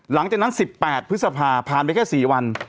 หลังจากนั้น๑๘พฤษภาผ่านไปแค่๔วัน